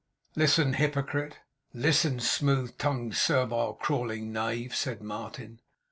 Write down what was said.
'Listen, hypocrite! Listen, smooth tongued, servile, crawling knave!' said Martin.